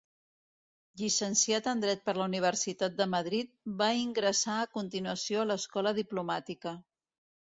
Llicenciat en Dret per la Universitat de Madrid, va ingressar a continuació a l'Escola Diplomàtica.